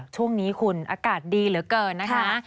ช่วงนี้คุณอากาศดีเหลือเกินนะคะ